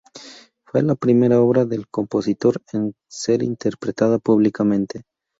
Fue la primera obra del compositor en ser interpretada públicamente.